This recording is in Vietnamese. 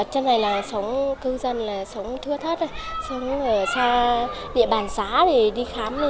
trên này là sống thưa thất sống ở xa địa bàn xã đi khám